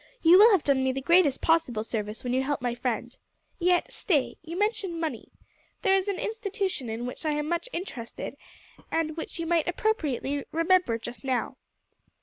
You will have done me the greatest possible service when you help my friend. Yet stay. You mentioned money. There is an institution in which I am much interested, and which you might appropriately remember just now."